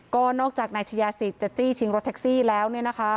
ก็นอกจากนายชยาศิษย์จะจี้ชิงรถแท็กซี่แล้ว